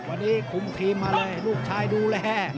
วันนี้คุมทีมมาเลยลูกชายดูแล